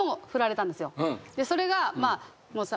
それが。